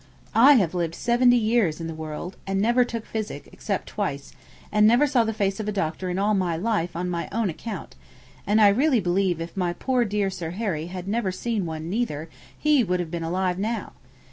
I have lived seventy good years in the world, and never took physic, except twice: and never saw the face of a doctor in all my life on my own account; and I really believe if my poor dear Sir Harry had never seen one neither, he would have been alive now.